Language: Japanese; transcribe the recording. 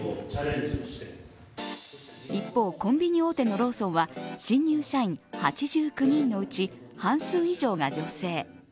一方、コンビニ大手のローソンは新入社員８９人のうち半数以上が女性。